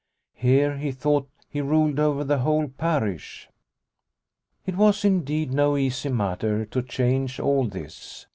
Here he thought he ruled over the whole parish. It was, Indeed, no easy matter to change all this.